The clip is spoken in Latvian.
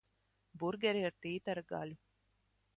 Burgeri ar tītara gaļu.